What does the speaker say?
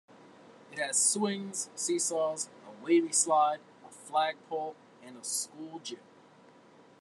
It has swings, seesaws, a wavy slide, a flagpole, and a school gym.